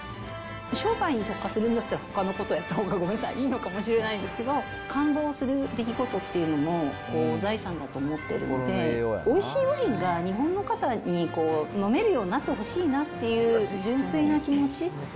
商売に特化するんだったら、ほかのことをやったほうが、ごめんなさい、いいのかもしれないんですけども、感動する出来事っていうのも財産だと思ってるので、おいしいワインが日本の方に飲めるようになってほしいなっていう純粋な気持ち。